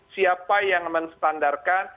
siapa yang menstandarkan